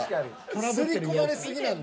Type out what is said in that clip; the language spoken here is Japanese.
刷り込まれ過ぎなんで。